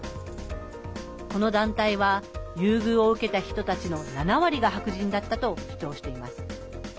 この団体は優遇を受けた人たちの７割が白人だったと主張しています。